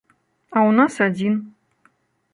А ў нас адзін.